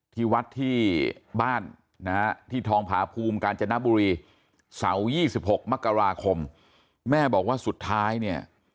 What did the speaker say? ที่วัดที่บ้านนะฮะที่ทองผาภูมิกาญจนบุรีเสาร์๒๖มกราคมแม่บอกว่าสุดท้ายเนี่ย